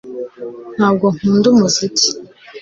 Ntabwo nkunda umuziki